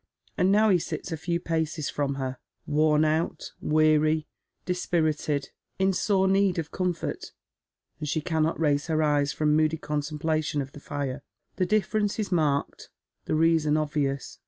And now he sits a few paces fi om her, worn out, weary, dispirited, in sore need of comfort, and she cannot raise her eye» from moody contemplation of the fire. The difference is marked, the reason obvious.